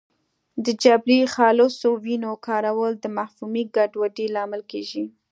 د جبري خالصو ویونو کارول د مفهومي ګډوډۍ لامل کېږي